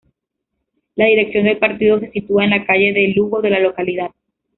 La dirección del partido se sitúa en la Calle de Lugo de la localidad.